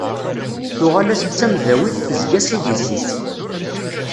Tuɣal-as d tamdawit tezga s idis-is.